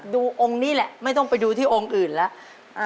องค์นี้แหละไม่ต้องไปดูที่องค์อื่นแล้ว